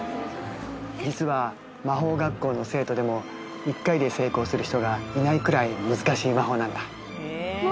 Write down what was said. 実は魔法学校の生徒でも１回で成功する人がいないくらい難しい魔法なんだ。